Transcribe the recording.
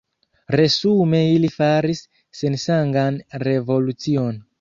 Resume ili faris sensangan revolucion.